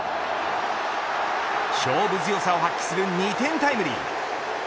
勝負強さを発揮する２点タイムリー。